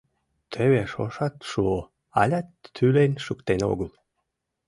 Теве шошат шуо, алят тӱлен шуктен огыл...